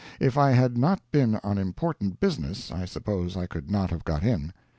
If I had not been on important business, I suppose I could not have got in.